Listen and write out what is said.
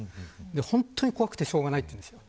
本当に怖くてしょうがないと言うんです。